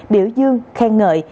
biểu dương khen ngợi